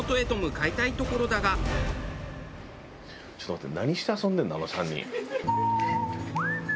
ちょっと待って。